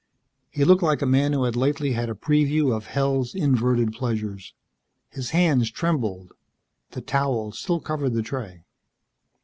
He looked like a man who had lately had a preview of Hell's inverted pleasures. His hands trembled. The towel still covered the tray.